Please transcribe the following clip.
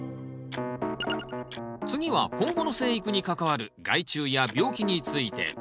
次は今後の生育に関わる害虫や病気について。